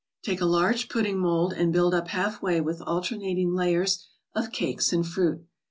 Take a large pud¬ ding mold, and build up half way with alternating layers of cakes and fruit.